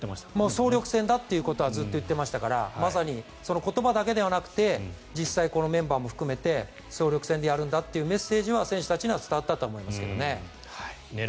総力戦だということはずっと言ってましたからまさにその言葉だけではなくて実際、このメンバーも含めて総力戦でやるんだというメッセージは、選手たちには伝わったと思いますね。